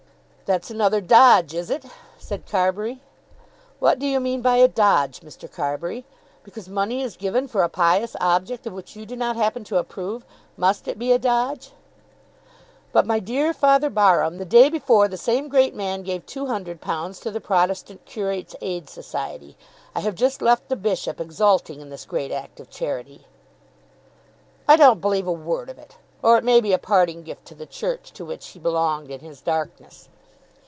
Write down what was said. "That's another dodge, is it?" said Carbury. "What do you mean by a dodge, Mr. Carbury? Because money is given for a pious object of which you do not happen to approve, must it be a dodge?" "But, my dear Father Barham, the day before the same great man gave £200 to the Protestant Curates' Aid Society. I have just left the Bishop exulting in this great act of charity." "I don't believe a word of it; or it may be a parting gift to the Church to which he belonged in his darkness."